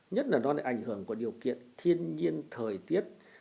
nhất là nó lại ảnh hưởng vào điều kiện thiên nhiên thời tiết